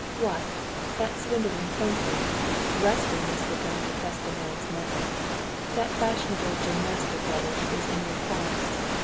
"What! That swindling fencing! Wrestling is the thing to test a man's mettle. That fashionable gymnastic rubbish is a mere farce.